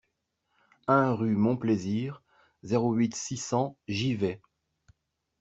un rue Mon Plaisir, zéro huit, six cents, Givet